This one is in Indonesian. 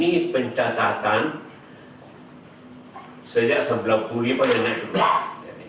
ini pencatatan sejak seribu sembilan ratus sembilan puluh lima yang naik terus